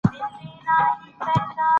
د غاښو له لارې پلې لارې اوښتې دي.